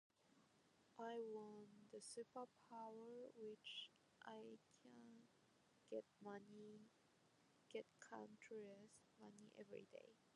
I want the superpower which I can get money, get countless money, every day.